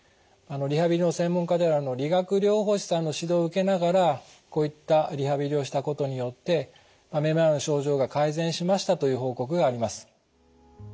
リハビリの専門家である理学療法士さんの指導を受けながらこういったリハビリをしたことによってめまいの症状が改善しましたという報告があります。